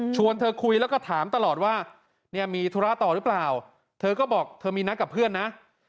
เธอคุยแล้วก็ถามตลอดว่าเนี่ยมีธุระต่อหรือเปล่าเธอก็บอกเธอมีนัดกับเพื่อนนะ